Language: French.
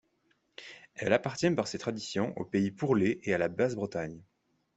Elle appartient par ses traditions au Pays Pourleth et à la Basse Bretagne.